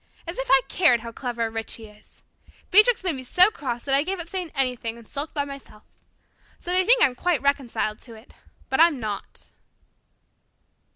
As if I cared how clever or rich he is! Beatrix made me so cross that I gave up saying anything and sulked by myself. So they think I'm quite reconciled to it, but I'm not."